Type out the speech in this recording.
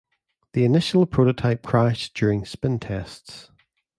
The initial prototype crashed during spin tests.